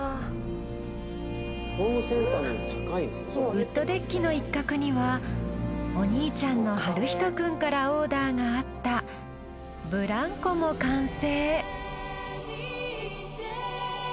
ウッドデッキの一角にはお兄ちゃんの晴仁くんからオーダーがあったブランコも完成。